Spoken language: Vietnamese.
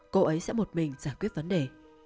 cô ấy sẽ một mình giải quyết vấn đề